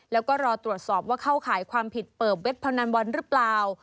แล้วก็รอตรวจสอบว่าเข้าข่ายความผิดเปิดเว็บพนันบอลหรือเปล่า